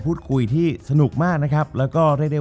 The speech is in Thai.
จบการโรงแรมจบการโรงแรม